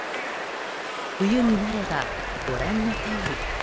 冬になればご覧のとおり。